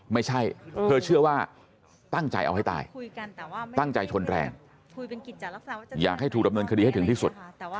ไม่ใช่เธอเชื่อว่าตั้งใจเอาให้ตายตั้งใจชนแรงอยากให้ถูกดำเนินคดีให้ถึงที่สุด